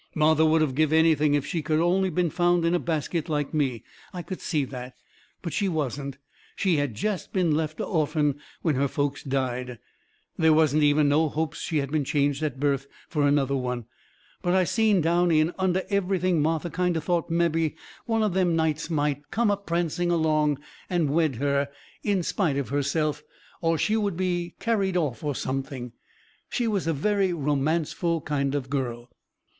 Martha would of give anything if she could of only been found in a basket like me, I could see that. But she wasn't. She had jest been left a orphan when her folks died. They wasn't even no hopes she had been changed at birth fur another one. But I seen down in under everything Martha kind o' thought mebby one of them nights might come a prancing along and wed her in spite of herself, or she would be carried off, or something. She was a very romanceful kind of girl.